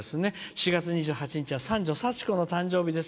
４月２８日は、三女さちこの誕生日です。